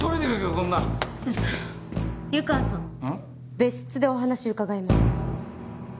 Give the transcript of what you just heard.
別室でお話伺います。